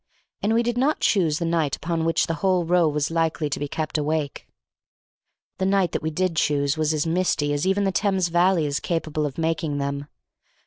And we did not choose the night upon which the whole row was likely to be kept awake. The night that we did choose was as misty as even the Thames Valley is capable of making them.